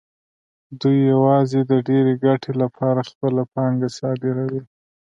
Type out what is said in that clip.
دوی یوازې د ډېرې ګټې لپاره خپله پانګه صادروي